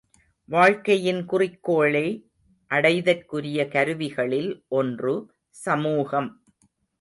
வாழ்க்கையின் குறிக்கோளை அடைதற்குரிய கருவிகளில் ஒன்று சமூகம்.